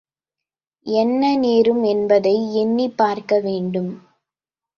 என்ன நேரும் என்பதை எண்ணிப் பார்க்க வேண்டும்.